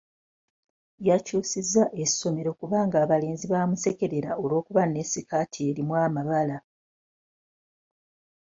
Yakyusizza essomero kubanga abalenzi baamusekerera olw'okuba ne sikaati erimu amabala.